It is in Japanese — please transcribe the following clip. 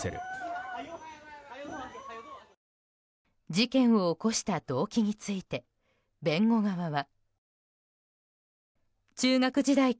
事件を起こした動機について弁護側は。